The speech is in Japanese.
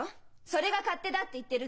それが勝手だって言ってるんです！